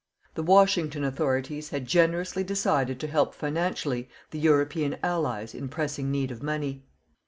The Washington Authorities had generously decided to help financially the European Allies in pressing need of money.